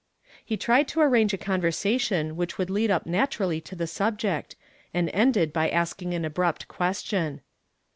He tried to arrange a convei sation whicli would lead up naturally to the subject, and ended by asking an abrupt question.